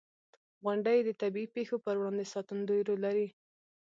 • غونډۍ د طبعي پېښو پر وړاندې ساتندوی رول لري.